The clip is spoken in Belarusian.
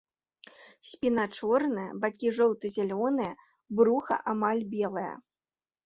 Спіна чорная, бакі жоўта-зялёныя, бруха амаль белае.